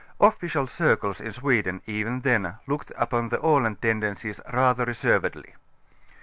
Official circles in Sweden, even then, looked upon the Aland tendencies rather reser vedly.